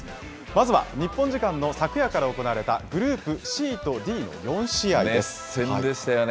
まずは日本時間の昨夜から行われた、グループＣとＤの４試合です。